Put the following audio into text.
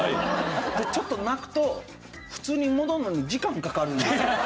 ちょっと泣くと普通に戻るのに時間かかるんですよ。